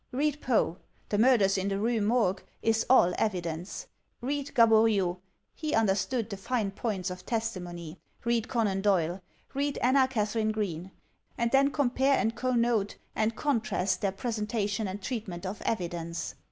Read Poe; "The Murders in the Rue Morgue" is all evidence. Read Gaboriau; he understood the fine points of testimony. Read Conan Doyle. Read Anna Katharine Green. And then compare and connote and contrast their presentation and treatment of evidence.